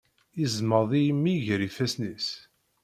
Yeẓmeḍ-iyi mmi ger ifassen-is.